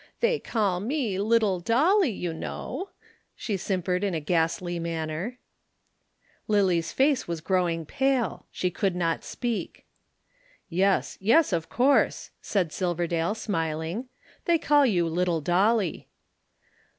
They call me Little Dolly, you know." She simpered in a ghastly manner. Lillie's face was growing pale. She could not speak. "Yes, yes of course," said Silverdale smiling. "They call you Little Dolly."